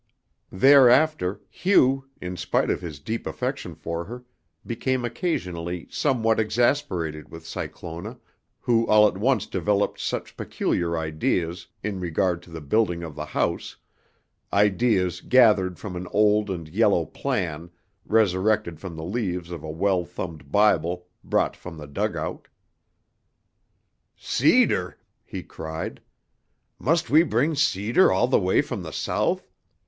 Thereafter, Hugh, in spite of his deep affection for her, became occasionally somewhat exasperated with Cyclona, who all at once developed such peculiar ideas in regard to the building of the house, ideas gathered from an old and yellow plan resurrected from the leaves of a well thumbed Bible brought from the dugout. "Cedar!" he cried, "Must we bring cedar all the way from the South?